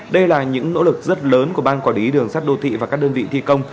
đây là những nỗ lực rất lớn của bang quả đí đường sắt đô thị và các đơn vị thi công